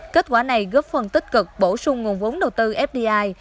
kết quả này góp phần tích cực bổ sung nguồn vốn đầu tư fdi